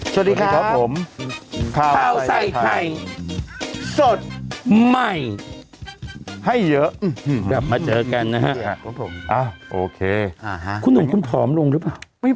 สวัสดีครับผมข่าวใส่ไข่สดใหม่ให้เยอะกลับมาเจอกันนะฮะโอเคคุณหนุ่มคุณผอมลงหรือเปล่า